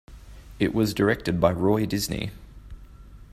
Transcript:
It was directed by Roy Disney.